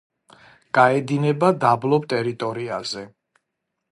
გაედინება დაბლობ ტერიტორიაზე.